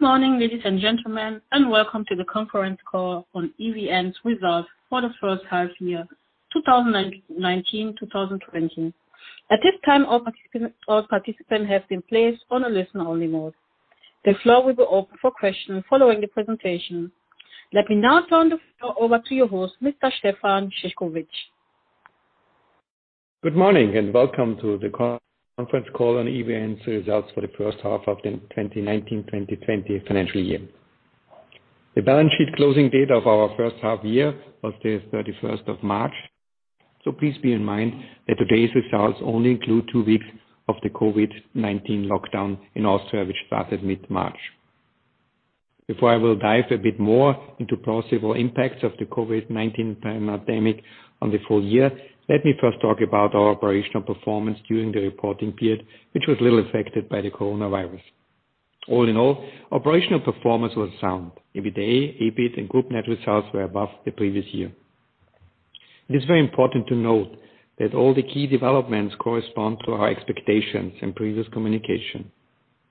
Good morning, ladies and gentlemen. Welcome to the conference call on EVN's results for the first half year 2019-2020. At this time, all participants have been placed on a listen-only mode. The floor will be open for questions following the presentation. Let me now turn the floor over to your host, Mr. Stefan Szyszkowitz. Good morning and welcome to the conference call on EVN's results for the first half of the 2019-2020 financial year. The balance sheet closing date of our first half year was March 31st. Please bear in mind that today's results only include two weeks of the COVID-19 lockdown in Austria, which started mid-March. Before I will dive a bit more into possible impacts of the COVID-19 pandemic on the full year, let me first talk about our operational performance during the reporting period, which was little affected by the coronavirus. All in all, operational performance was sound. EBITDA, EBIT, and group net results were above the previous year. It is very important to note that all the key developments correspond to our expectations and previous communication.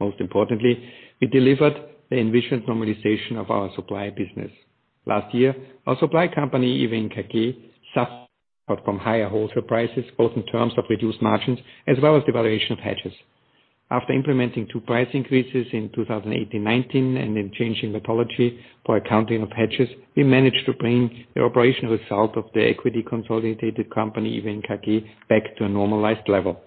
Most importantly, we delivered the envisioned normalization of our supply business. Last year, our supply company, EVN KG, suffered from higher wholesale prices, both in terms of reduced margins as well as the valuation of hedges. After implementing two price increases in 2018-2019 and then changing methodology for accounting of hedges, we managed to bring the operational result of the equity consolidated company, EVN KG, back to a normalized level.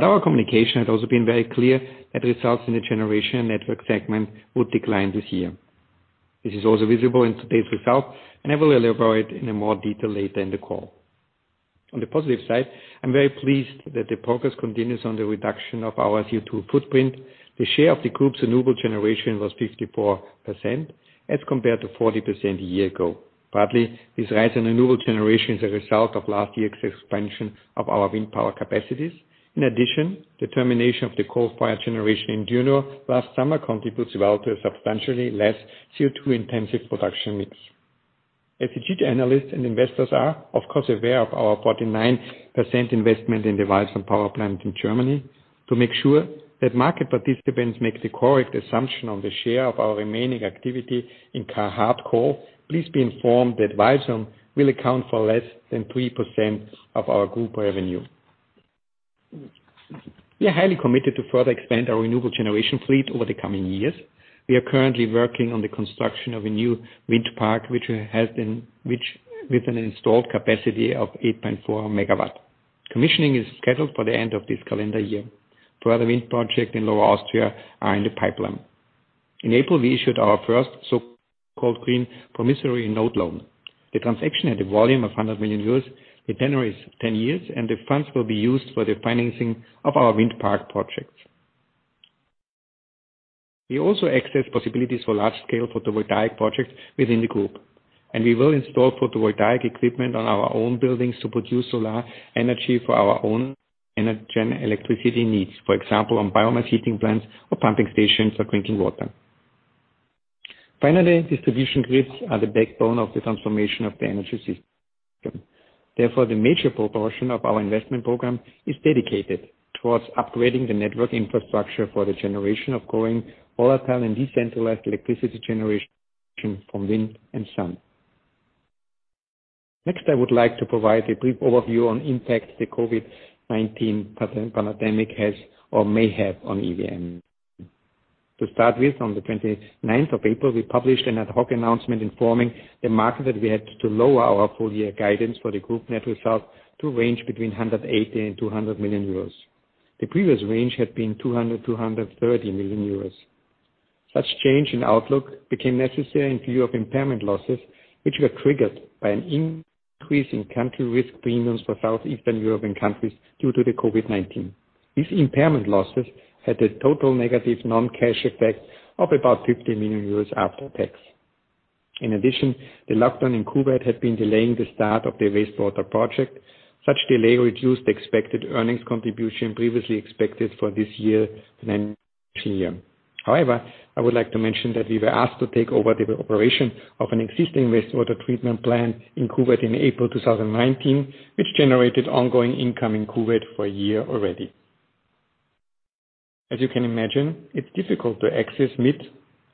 Our communication has also been very clear that results in the generation and network segment would decline this year. This is also visible in today's result, and I will elaborate in more detail later in the call. On the positive side, I'm very pleased that the progress continues on the reduction of our CO2 footprint. The share of the group's renewable generation was 54%, as compared to 40% a year ago. Partly, this rise in renewable generation is a result of last year's expansion of our wind power capacities. In addition, the termination of the coal-fired generation in Dürnrohr last summer contributes well to a substantially less CO2-intensive production mix. I think analysts and investors are, of course, aware of our 49% investment in the Walsum Power Plant in Germany. To make sure that market participants make the correct assumption on the share of our remaining activity in hard coal, please be informed that Walsum will account for less than 3% of our group revenue. We are highly committed to further expand our renewable generation fleet over the coming years. We are currently working on the construction of a new wind park, with an installed capacity of 8.4 MW. Commissioning is scheduled for the end of this calendar year. Further wind project in Lower Austria are in the pipeline. In April, we issued our first so-called green promissory note loan. The transaction had a volume of 100 million euros with tenor is 10 years. The funds will be used for the financing of our wind park projects. We also access possibilities for large-scale photovoltaic projects within the group. We will install photovoltaic equipment on our own buildings to produce solar energy for our own energy and electricity needs, for example, on biomass heating plants or pumping stations for drinking water. Finally, distribution grids are the backbone of the transformation of the energy system. Therefore, the major proportion of our investment program is dedicated towards upgrading the network infrastructure for the generation of growing volatile and decentralized electricity generation from wind and sun. Next, I would like to provide a brief overview on impact the COVID-19 pandemic has or may have on EVN. To start with, on April 29th, we published an ad hoc announcement informing the market that we had to lower our full-year guidance for the group net result to range between 180 million and 200 million euros. The previous range had been 200 million-230 million euros. Such change in outlook became necessary in view of impairment losses, which were triggered by an increase in country risk premiums for Southeastern European countries due to the COVID-19. These impairment losses had a total negative non-cash effect of about 50 million euros after tax. In addition, the lockdown in Kuwait had been delaying the start of the wastewater project. Such delay reduced expected earnings contribution previously expected for this year and next year. However, I would like to mention that we were asked to take over the operation of an existing wastewater treatment plant in Kuwait in April 2019, which generated ongoing income in Kuwait for a year already. As you can imagine, it's difficult to assess mid-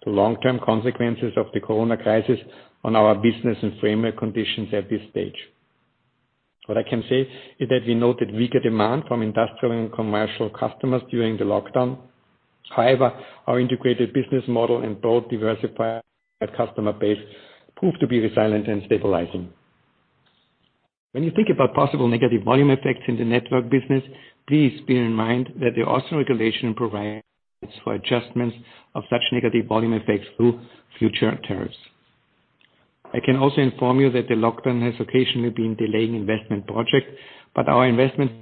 to long-term consequences of the COVID-19 crisis on our business and framework conditions at this stage. What I can say is that we noted weaker demand from industrial and commercial customers during the lockdown. However, our integrated business model and broad diversified customer base proved to be resilient and stabilizing. When you think about possible negative volume effects in the network business, please bear in mind that the Austrian regulation provides for adjustments of such negative volume effects through future tariffs. I can also inform you that the lockdown has occasionally been delaying investment projects, but our investment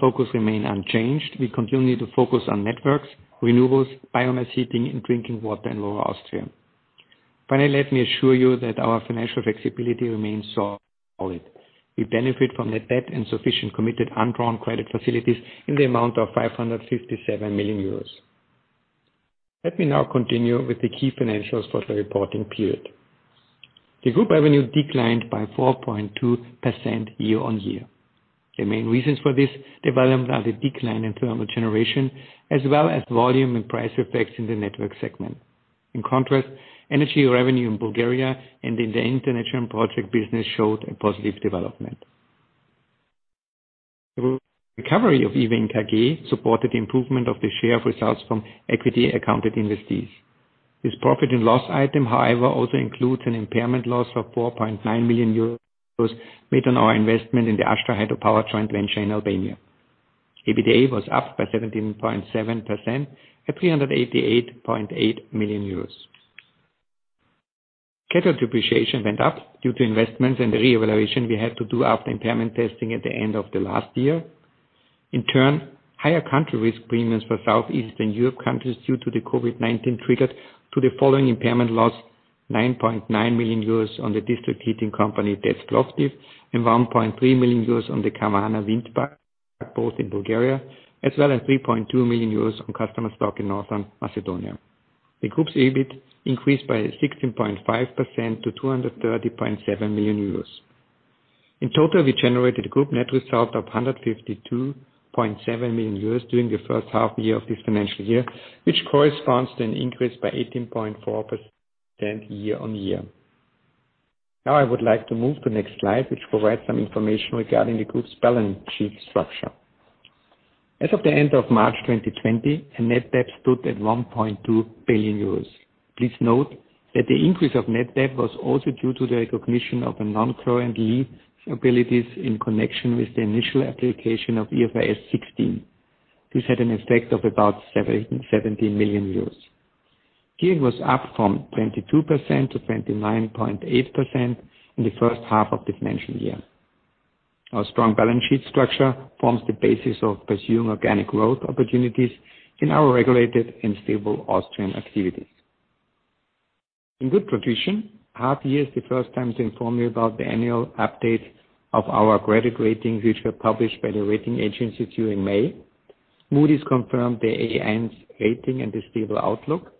focus remain unchanged. We continue to focus on networks, renewables, biomass heating, and drinking water in Lower Austria. Finally, let me assure you that our financial flexibility remains solid. We benefit from net debt and sufficient committed undrawn credit facilities in the amount of 557 million euros. Let me now continue with the key financials for the reporting period. The group revenue declined by 4.2% year-on-year. The main reasons for this development are the decline in thermal generation, as well as volume and price effects in the network segment. In contrast, energy revenue in Bulgaria and in the international project business showed a positive development. The recovery of EVN KG supported the improvement of the share of results from equity accounted investees. This profit and loss item, however, also includes an impairment loss of 4.9 million euros made on our investment in the Ashta Hydropower joint venture in Albania. EBITDA was up by 17.7% at EUR 388.8 million. Schedule depreciation went up due to investments and the reevaluation we had to do after impairment testing at the end of the last year. In turn, higher country risk premiums for Southeastern Europe countries due to the COVID-19 triggered the following impairment loss, 9.9 million euros on the district heating company TEZ Plovdiv, and 1.3 million euros on the Kavarna Wind Park, both in Bulgaria, as well as 3.2 million euros on customer stock in North Macedonia. The group's EBIT increased by 16.5% to 230.7 million euros. In total, we generated a group net result of 152.7 million euros during the first half year of this financial year, which corresponds to an increase by 18.4% year-on-year. Now I would like to move to next slide, which provides some information regarding the group's balance sheet structure. As of the end of March 2020, our net debt stood at 1.2 billion euros. Please note that the increase of net debt was also due to the recognition of the non-current lease liabilities in connection with the initial application of IFRS 16, which had an effect of about 70 million euros. Gearing was up from 22%-29.8% in the first half of this financial year. Our strong balance sheet structure forms the basis of pursuing organic growth opportunities in our regulated and stable Austrian activities. In good tradition, half year is the first time to inform you about the annual update of our credit rating, which were published by the rating agencies during May. Moody's confirmed the A1 rating and the stable outlook.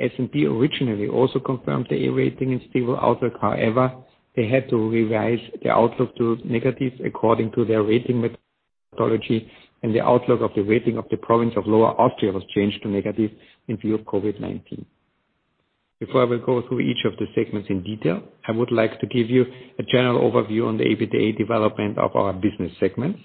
S&P originally also confirmed the A rating and stable outlook. However, they had to revise the outlook to negatives according to their rating methodology, and the outlook of the rating of the province of Lower Austria was changed to negative in view of COVID-19. Before I will go through each of the segments in detail, I would like to give you a general overview on the EBITDA development of our business segments.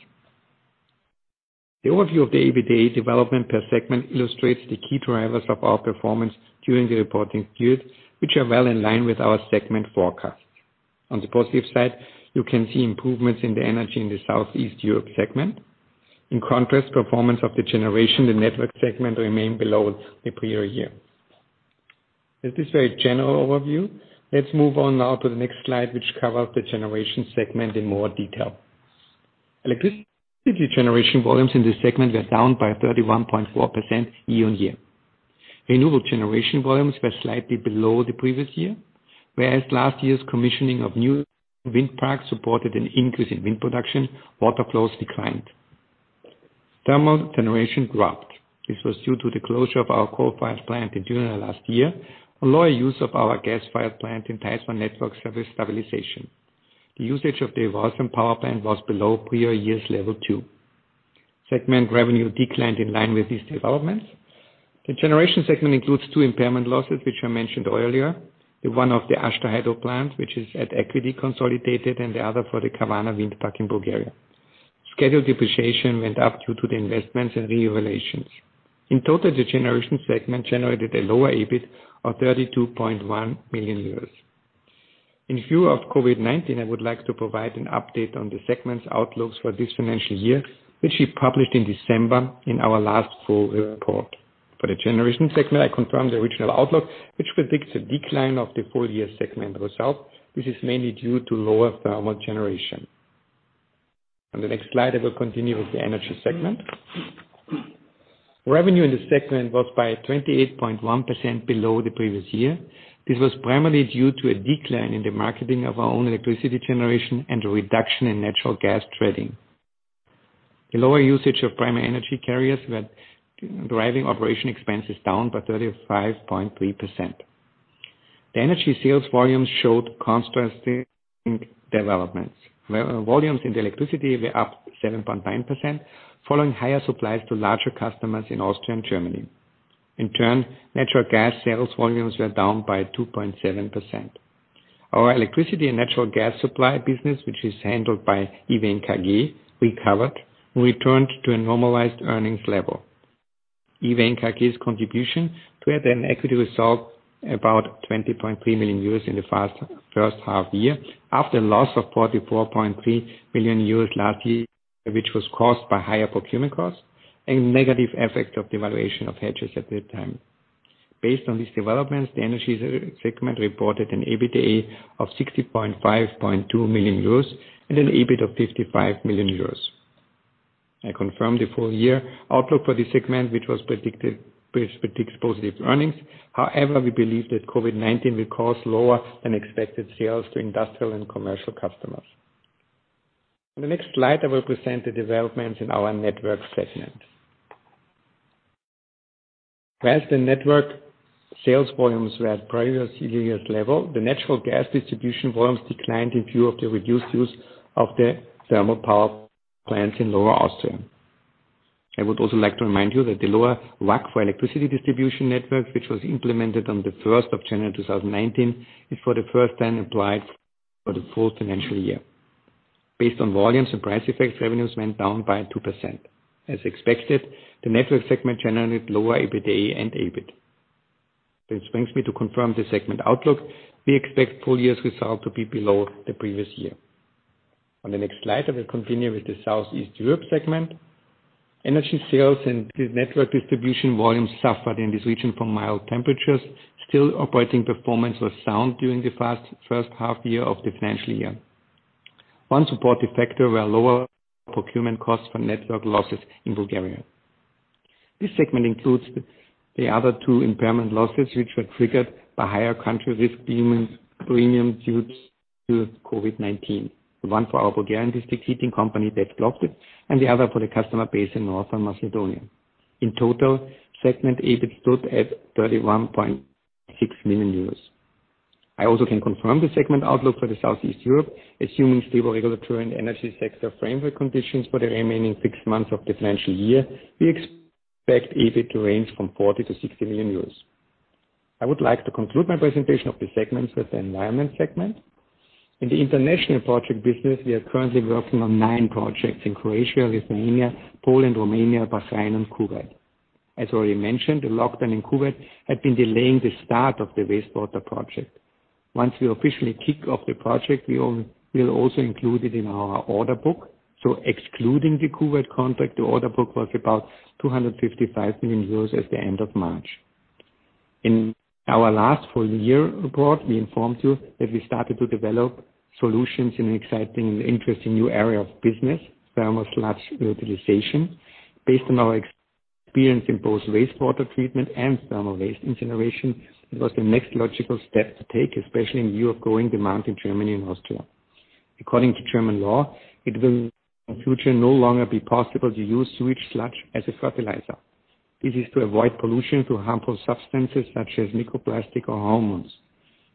The overview of the EBITDA development per segment illustrates the key drivers of our performance during the reporting period, which are well in line with our segment forecast. On the positive side, you can see improvements in the energy in the South East Europe segment. In contrast, performance of the generation, the network segment remained below the prior year. With this very general overview, let's move on now to the next slide, which covers the generation segment in more detail. Electricity generation volumes in this segment were down by 31.4% year-on-year. Renewable generation volumes were slightly below the previous year, whereas last year's commissioning of new wind parks supported an increase in wind production, water flows declined. Thermal generation dropped. This was due to the closure of our coal-fired plant in June of last year, a lower use of our gas-fired plant Theiß for network service stabilization. The usage of the Walsum Power Plant was below prior year's level too. Segment revenue declined in line with these developments. The generation segment includes two impairment losses, which I mentioned earlier. One of the Ashta Hydro plant, which is at equity consolidated, and the other for the Kavarna Wind Park in Bulgaria. Scheduled depreciation went up due to the investments and reevaluations. In total, the generation segment generated a lower EBIT of 32.1 million euros. In view of COVID-19, I would like to provide an update on the segment's outlooks for this financial year, which we published in December in our last full year report. For the generation segment, I confirmed the original outlook, which predicts a decline of the full year segment result, which is mainly due to lower thermal generation. On the next slide, I will continue with the energy segment. Revenue in the segment was by 28.1% below the previous year. This was primarily due to a decline in the marketing of our own electricity generation and a reduction in natural gas trading. The lower usage of primary energy carriers were driving operation expenses down by 35.3%. The energy sales volumes showed contrasting developments, where volumes in the electricity were up 7.9%, following higher supplies to larger customers in Austria and Germany. In turn, natural gas sales volumes were down by 2.7%. Our electricity and natural gas supply business, which is handled by EVN KG, recovered and returned to a normalized earnings level. EVN KG's contribution to add an equity result about 20.3 million euros in the first half year after a loss of 44.3 million euros last year, which was caused by higher procurement costs and negative effect of the valuation of hedges at that time. Based on these developments, the energy segment reported an EBITDA of 65.2 million euros and an EBIT of 55 million euros. I confirm the full year outlook for the segment, which predicts positive earnings. We believe that COVID-19 will cause lower than expected sales to industrial and commercial customers. On the next slide, I will present the developments in our network segment. The network sales volumes were at previous year's level, the natural gas distribution volumes declined in view of the reduced use of the thermal power plants in Lower Austria. I would also like to remind you that the lower WACC for electricity distribution network, which was implemented on January 1, 2019, is for the first time applied for the full financial year. Based on volumes and price effects, revenues went down by 2%. As expected, the network segment generated lower EBITDA and EBIT. This brings me to confirm the segment outlook. We expect full year's result to be below the previous year. On the next slide, I will continue with the Southeast Europe segment. Energy sales and the network distribution volumes suffered in this region from mild temperatures. Still, operating performance was sound during the first half year of the financial year. One supportive factor were lower procurement costs for network losses in Bulgaria. This segment includes the other two impairment losses, which were triggered by higher country risk premiums due to COVID-19. One for our Bulgarian district heating company, TEZ Plovdiv, and the other for the customer base in North Macedonia. In total, segment EBIT stood at 31.6 million euros. I also can confirm the segment outlook for Southeast Europe, assuming stable regulatory and energy sector framework conditions for the remaining six months of the financial year, we expect EBIT to range from 40 million-60 million euros. I would like to conclude my presentation of the segments with the environment segment. In the international project business, we are currently working on nine projects in Croatia, Lithuania, Poland, Romania, Bahrain, and Kuwait. As already mentioned, the lockdown in Kuwait had been delaying the start of the wastewater project. Once we officially kick off the project, we'll also include it in our order book. Excluding the Kuwait contract, the order book was about 255 million euros at the end of March. In our last full year report, we informed you that we started to develop solutions in an exciting and interesting new area of business, thermal sludge utilization. Based on our experience in both wastewater treatment and thermal waste incineration, it was the next logical step to take, especially in view of growing demand in Germany and Austria. According to German law, it will in future no longer be possible to use sewage sludge as a fertilizer. This is to avoid pollution through harmful substances, such as microplastic or hormones.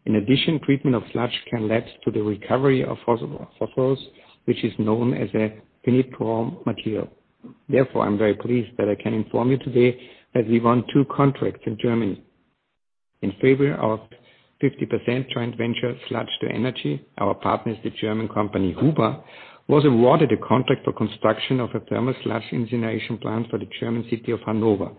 In addition, treatment of sludge can lead to the recovery of phosphorus, which is known as a critical material. Therefore, I'm very pleased that I can inform you today that we won two contracts in Germany. In favor of 50% joint venture sludge2energy, our partner is the German company, Huber, was awarded a contract for construction of a thermal sludge incineration plant for the German city of Hanover.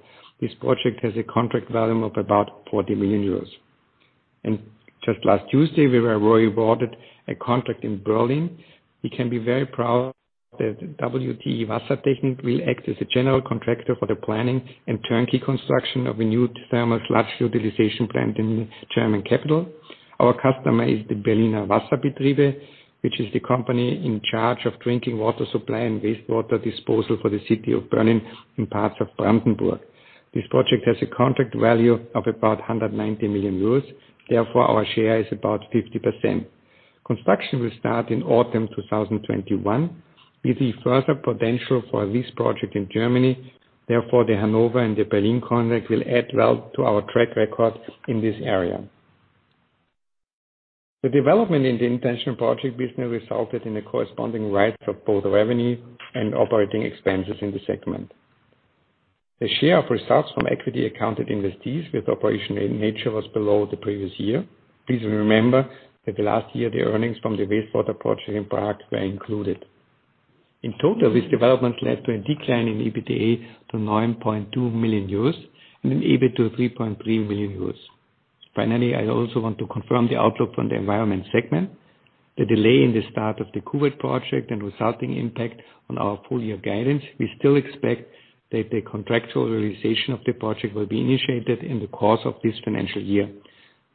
This project has a contract volume of about 40 million euros. Just last Tuesday, we were rewarded a contract in Berlin. We can be very proud that WTE Wassertechnik will act as a general contractor for the planning and turnkey construction of a new thermal sludge utilization plant in the German capital. Our customer is the Berliner Wasserbetriebe, which is the company in charge of drinking water supply and wastewater disposal for the city of Berlin and parts of Brandenburg. This project has a contract value of about 190 million euros. Our share is about 50%. Construction will start in autumn 2021. We see further potential for this project in Germany. The Hanover and the Berlin contract will add well to our track record in this area. The development in the international project business resulted in a corresponding rise of both revenue and operating expenses in the segment. The share of results from equity accounted investees with operation in nature was below the previous year. Please remember that the last year, the earnings from the wastewater project in Prague were included. In total, these developments led to a decline in EBITDA to 9.2 million euros and in EBIT to 3.3 million euros. Finally, I also want to confirm the outlook from the Environment segment. The delay in the start of the Kuwait project and resulting impact on our full year guidance, we still expect that the contractual realization of the project will be initiated in the course of this financial year.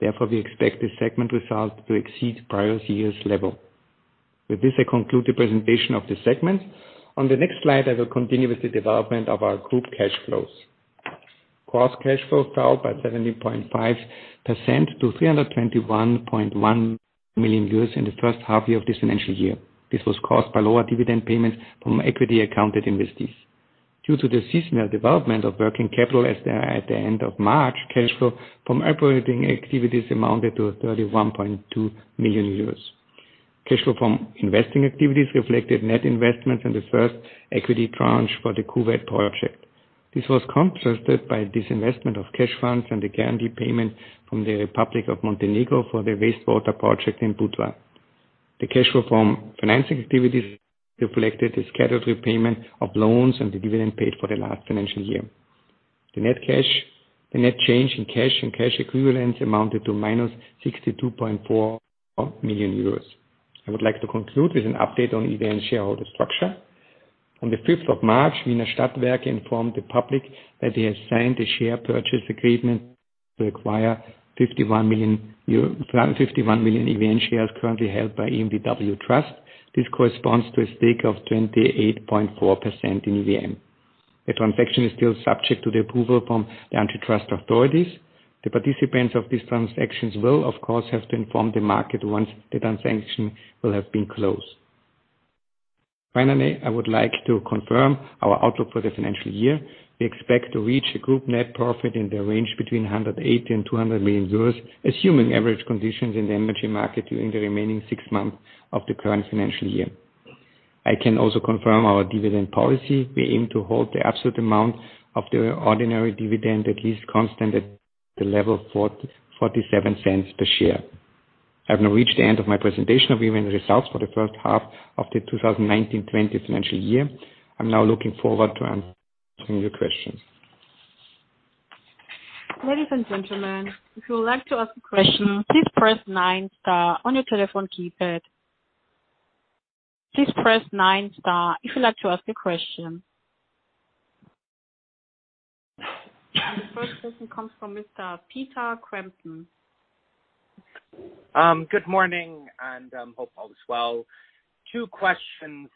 Therefore, we expect the segment result to exceed prior year's level. With this, I conclude the presentation of the segment. On the next slide, I will continue with the development of our group cash flows. Gross cash flows fell by 17.5% to 321.1 million euros in the first half year of this financial year. This was caused by lower dividend payments from equity accounted investees. Due to the seasonal development of working capital as at the end of March, cash flow from operating activities amounted to 31.2 million euros. Cash flow from investing activities reflected net investments in the first equity tranche for the Kuwait project. This was contrasted by disinvestment of cash funds and the guarantee payment from the Republic of Montenegro for the wastewater project in Budva. The cash flow from financing activities reflected the scheduled repayment of loans and the dividend paid for the last financial year. The net change in cash and cash equivalents amounted to minus 62.4 million euros. I would like to conclude with an update on EVN shareholder structure. On March 5th, Wiener Stadtwerke informed the public that they have signed a share purchase agreement to acquire 51 million EVN shares currently held by EnBW Trust. This corresponds to a stake of 28.4% in EVN. The transaction is still subject to the approval from the antitrust authorities. The participants of these transactions will, of course, have to inform the market once the transaction will have been closed. Finally, I would like to confirm our outlook for the financial year. We expect to reach a group net profit in the range between 180 million and 200 million euros, assuming average conditions in the energy market during the remaining six months of the current financial year. I can also confirm our dividend policy. We aim to hold the absolute amount of the ordinary dividend at least constant at the level of 0.47 per share. I've now reached the end of my presentation of EVN results for the first half of the 2019-2020 financial year. I'm now looking forward to answering your questions. Ladies and gentlemen, if you would like to ask a question, please press nine star on your telephone keypad. Please press nine star if you'd like to ask a question. The first person comes from Mr. Peter Crampton. Good morning. Hope all is well. Two questions,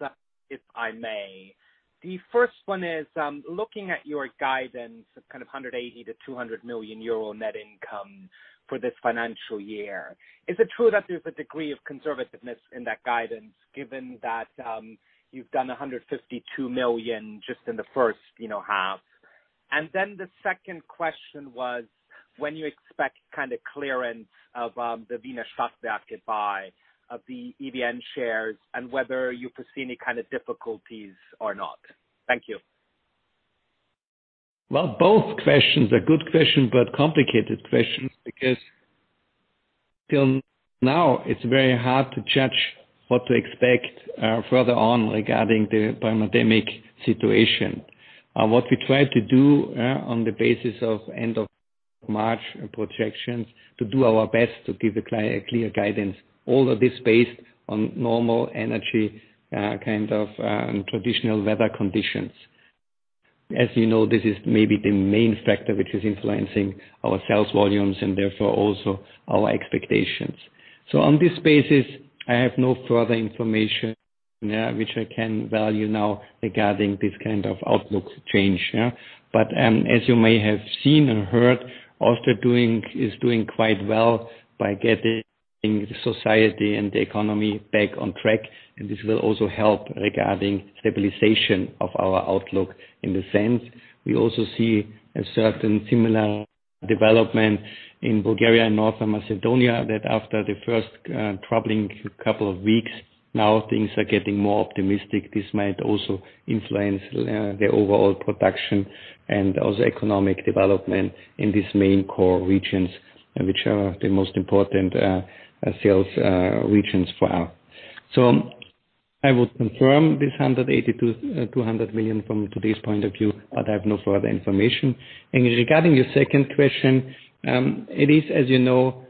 if I may. The first one is, looking at your guidance of 180 million-200 million euro net income for this financial year, is it true that there's a degree of conservativeness in that guidance given that you've done 152 million just in the first half? The second question was, when you expect clearance of the Wiener Stadtwerke buy of the EVN shares and whether you foresee any kind of difficulties or not. Thank you. Well, both questions are good questions, but complicated questions because till now, it is very hard to judge what to expect further on regarding the pandemic situation. What we try to do, on the basis of end of March projections, to do our best to give the client a clear guidance. All of this based on normal energy and traditional weather conditions. As you know, this is maybe the main factor which is influencing our sales volumes and therefore also our expectations. On this basis, I have no further information which I can value now regarding this kind of outlook change. As you may have seen or heard, Austria is doing quite well by getting the society and the economy back on track, and this will also help regarding stabilization of our outlook in the sense. We also see a certain similar development in Bulgaria and North Macedonia, that after the first troubling couple of weeks, now things are getting more optimistic. This might also influence the overall production and also economic development in these main core regions, which are the most important sales regions for us. I would confirm this 180 million-200 million from today's point of view, but I have no further information. And regarding your second question, it is, as you know,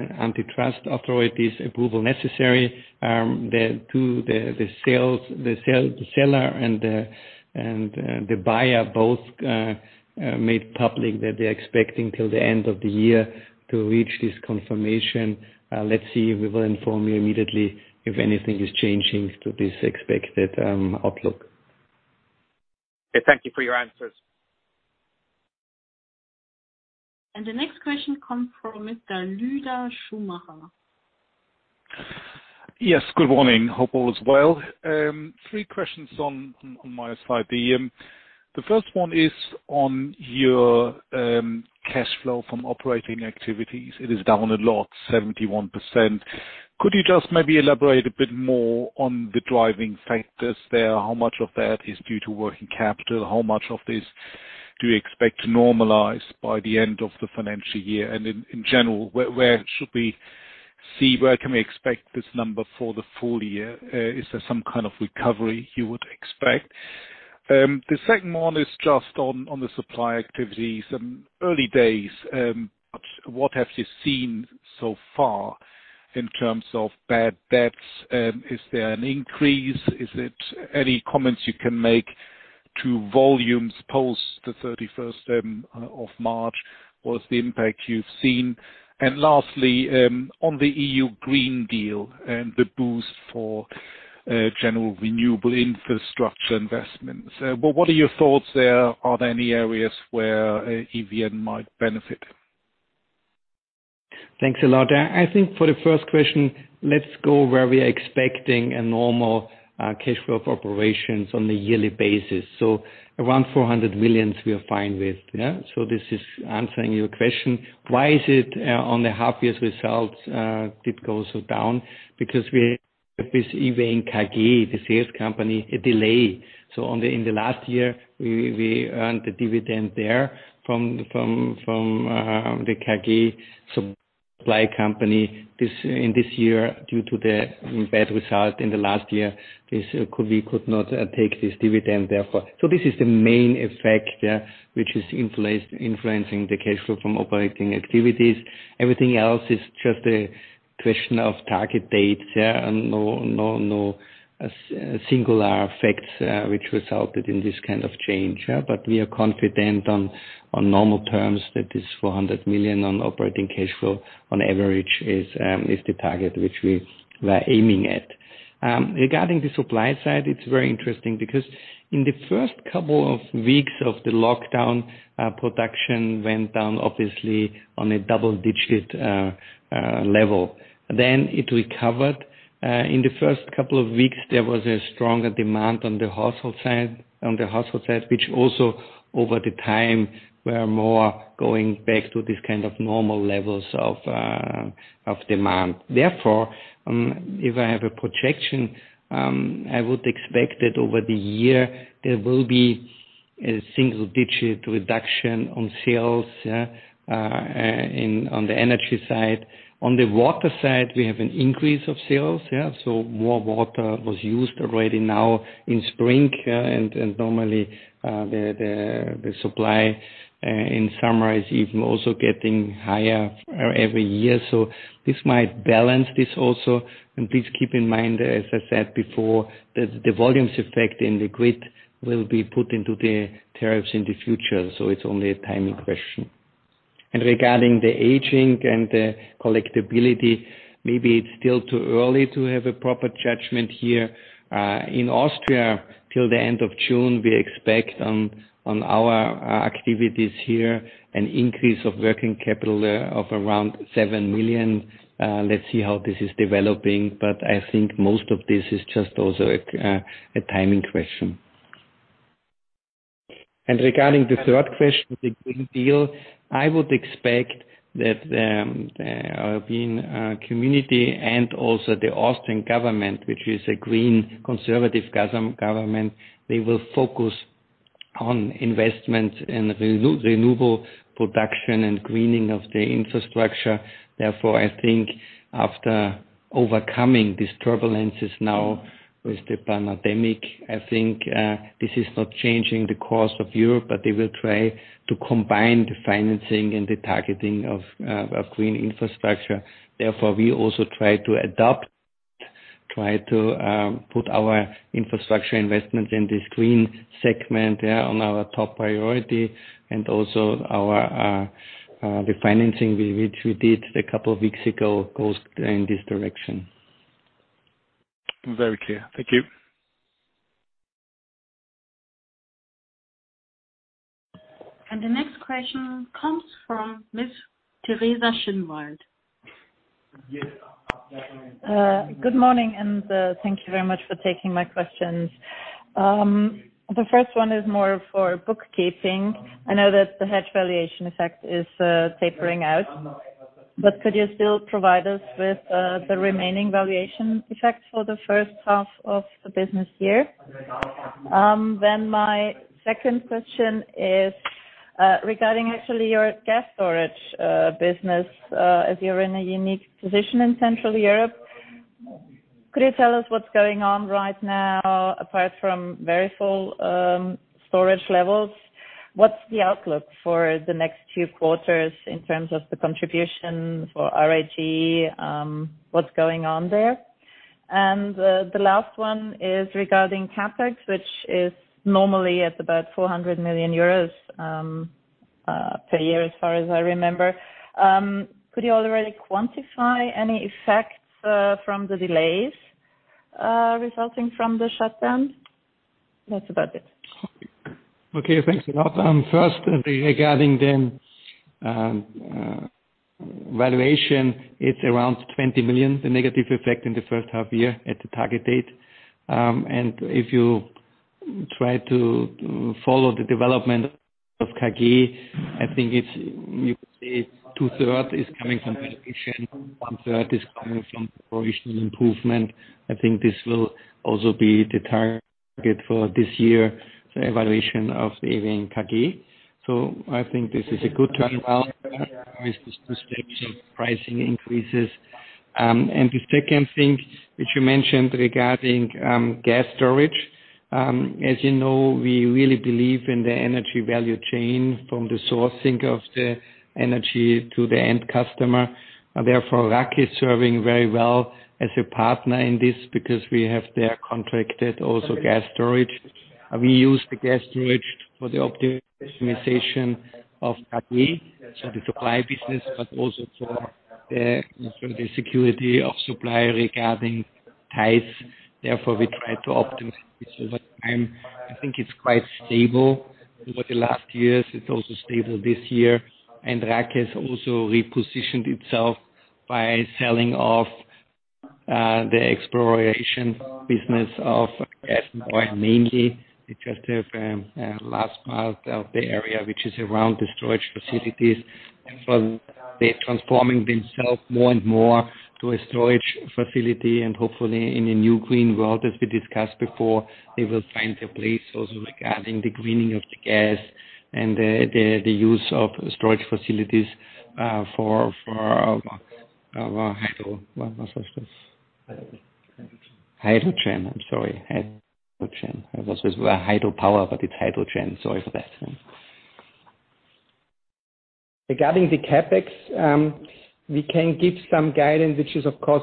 antitrust authorities approval necessary. The seller and the buyer both made public that they're expecting till the end of the year to reach this confirmation. Let's see. We will inform you immediately if anything is changing to this expected outlook. Okay. Thank you for your answers. The next question comes from Mr. Lueder Schumacher. Yes. Good morning. Hope all is well. Three questions on my side, the first one is on your cash flow from operating activities. It is down a lot, 71%. Could you just maybe elaborate a bit more on the driving factors there? How much of that is due to working capital? How much of this do you expect to normalize by the end of the financial year? In general, where can we expect this number for the full year? Is there some kind of recovery you would expect? The second one is just on the supply activities. Early days, but what have you seen so far in terms of bad debts? Is there an increase? Any comments you can make to volumes post March 31st? What's the impact you've seen? Lastly, on the EU Green Deal and the boost for general renewable infrastructure investments, what are your thoughts there? Are there any areas where EVN might benefit? Thanks a lot. I think for the first question, let's go where we're expecting a normal cash flow from operations on a yearly basis. Around 400 million, we are fine with. This is answering your question. Why is it on the half year's results, it goes so down? Because we have this EVN KG, the sales company, a delay. In the last year, we earned the dividend there from the KG supply company. In this year, due to the bad result in the last year, we could not take this dividend, therefore. This is the main effect which is influencing the cash flow from operating activities. Everything else is just a question of target dates. No singular effects which resulted in this kind of change. We are confident on normal terms, that is 400 million on operating cash flow on average is the target which we were aiming at. Regarding the supply side, it's very interesting because in the first couple of weeks of the lockdown, production went down, obviously, on a double-digit level. It recovered. In the first couple of weeks, there was a stronger demand on the household side, which also over the time were more going back to this kind of normal levels of demand. Therefore, if I have a projection, I would expect that over the year, there will be a single-digit reduction on sales on the energy side. On the water side, we have an increase of sales. More water was used already now in spring, and normally, the supply in summer is even also getting higher every year. This might balance this also. Please keep in mind, as I said before, that the volumes effect in the grid will be put into the tariffs in the future, so it's only a timing question. Regarding the aging and the collectibility, maybe it's still too early to have a proper judgment here. In Austria, till the end of June, we expect on our activities here, an increase of working capital of around 7 million. Let's see how this is developing, but I think most of this is just also a timing question. Regarding the third question, the Green Deal, I would expect that the European Community and also the Austrian Government, which is a green conservative government, they will focus on investment in renewable production and greening of the infrastructure. I think after overcoming these turbulences now with the pandemic, I think, this is not changing the course of Europe, but they will try to combine the financing and the targeting of green infrastructure. We also try to adopt, try to put our infrastructure investment in this green segment on our top priority. Also the financing which we did a couple of weeks ago goes in this direction. Very clear. Thank you. The next question comes from Miss Teresa Schinwald. Good morning, and thank you very much for taking my questions. The first one is more for bookkeeping. I know that the hedge valuation effect is tapering out, but could you still provide us with the remaining valuation effect for the first half of the business year? My second question is regarding actually your gas storage business, as you're in a unique position in Central Europe. Could you tell us what's going on right now, apart from very full storage levels? What's the outlook for the next two quarters in terms of the contribution for RAG? What's going on there? The last one is regarding CapEx, which is normally at about 400 million euros per year, as far as I remember. Could you already quantify any effects from the delays resulting from the shutdown? That's about it. Okay, thanks a lot. First, regarding the valuation, it is around 20 million, the negative effect in the first half year at the target date. If you try to follow the development of EVN KG, I think you could say 2/3 is coming from valuation, one-third is coming from operational improvement. I think this will also be the target for this year, the evaluation of the EVN KG. I think this is a good turnaround with the perspective pricing increases. The second thing which you mentioned regarding gas storage, as you know, we really believe in the energy value chain from the sourcing of the energy to the end customer. Therefore, RAG AG is serving very well as a partner in this because we have their contracted also gas storage. We use the gas storage for the optimization of KG, so the supply business, but also for the security of supply regarding Theiß. We try to optimize this over time. I think it's quite stable over the last years. It's also stable this year. RAG has also repositioned itself by selling off the exploration business of gas and oil mainly. They just have last part of the area, which is around the storage facilities. They're transforming themselves more and more to a storage facility, and hopefully in a new green world, as we discussed before, they will find a place also regarding the greening of the gas and the use of storage facilities for hydro. What was this? Hydrogen. I'm sorry. Hydrogen. I almost said hydropower, but it's hydrogen. Sorry for that. Regarding the CapEx, we can give some guidance, which is, of course,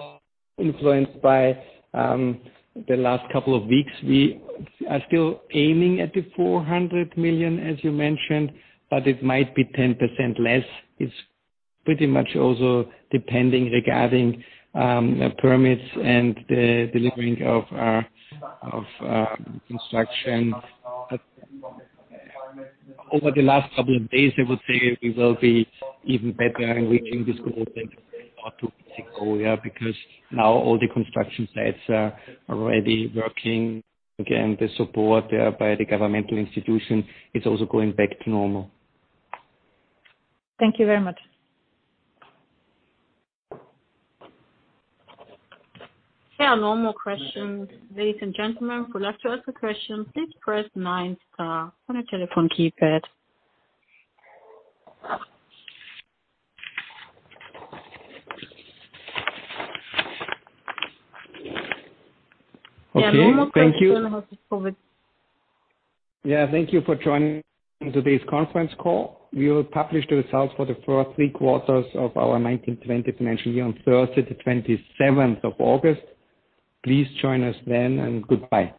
influenced by the last couple of weeks. We are still aiming at the 400 million, as you mentioned, but it might be 10% less. It's pretty much also depending regarding permits and the delivering of construction. Over the last couple of days, I would say we will be even better in reaching this goal than two weeks ago, yeah, because now all the construction sites are already working. Again, the support by the governmental institution is also going back to normal. Thank you very much. There are no more questions. Ladies and gentlemen, if you'd like to ask a question, please press nine star on your telephone keypad. Okay. Thank you. There are no more questions on the phone. Yeah. Thank you for joining today's conference call. We will publish the results for the first three quarters of our 2019-2020 financial year on Thursday, August 27th. Please join us then and goodbye.